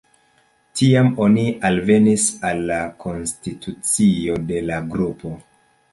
Tiam oni alvenis al la konstitucio de la grupo.